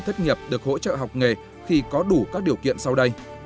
thất nghiệp được hỗ trợ học nghề khi có đủ các điều kiện sau đây